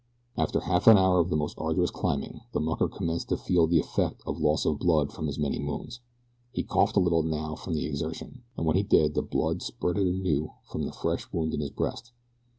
After half an hour of the most arduous climbing the mucker commenced to feel the effects of loss of blood from his many wounds. He coughed a little now from the exertion, and when he did the blood spurted anew from the fresh wound in his breast.